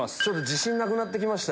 自信なくなってきました。